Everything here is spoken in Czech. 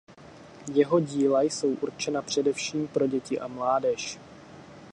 Jeho díla jsou určena především pro děti a mládež.